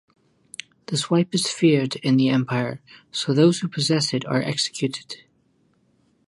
The swipe is feared in the Empire, so those who possess it are executed.